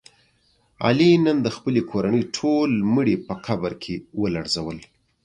علي نن د خپلې کورنۍ ټول مړي په قبر کې ولړزول.